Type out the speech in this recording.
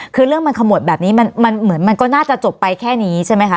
คือเรื่องมันขมวดแบบนี้มันเหมือนมันก็น่าจะจบไปแค่นี้ใช่ไหมคะ